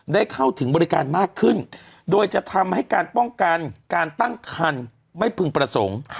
ได้เข้าถึงบริการมากขึ้นโดยจะทำให้การป้องกันการตั้งคันไม่พึงประสงค์